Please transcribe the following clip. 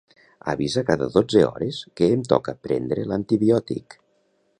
Avisa cada dotze hores que em toca prendre l'antibiòtic.